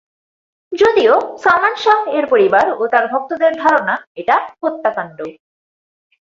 যদিও সালমান শাহ এর পরিবার ও তার ভক্তদের ধারণা এটা হত্যাকাণ্ড।